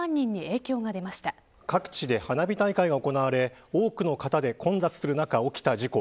各地で花火大会が行われ多くの方で混雑する中起きた事故。